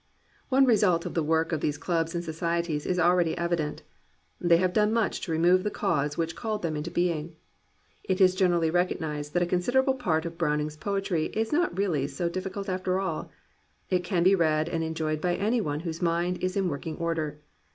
One result of the work of these clubs and societies is already evident : they have done much to remove the cause which called them into being. It is gen erally recognized that a considerable part of Brown ing's poetry is not really so difficult after all. It can be read and enjoyed by any one whose mind is in working order.